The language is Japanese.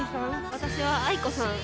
私はａｉｋｏさん。